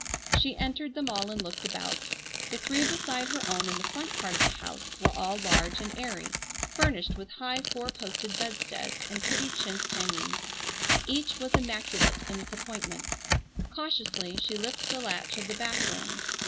She entered them all and looked about. The three beside her own in the front part of the house were all large and airy, furnished with high four posted bedsteads, and pretty chintz hangings. Each was immaculate in its appointments. Cautiously she lifted the latch of the back room.